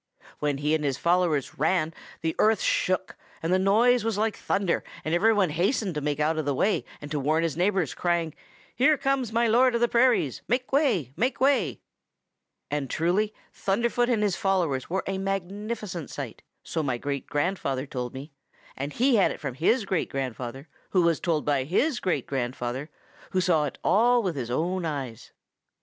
When he and his followers ran the earth shook, and the noise was like thunder, and everybody hastened to get out of the way and to warn his neighbors, crying: 'Here comes my Lord of the Prairies! Make way! Make way!' And truly Thunderfoot and his followers were a magnificent sight, so my great grandfather told me, and he had it from his great grandfather, who was told so by his great grandfather, who saw it all with his own eyes.